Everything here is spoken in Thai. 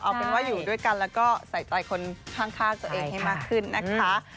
เอาเป็นว่าอยู่ด้วยกันแล้วก็ใส่ใจคนข้างตัวเองให้มากขึ้นนะคะ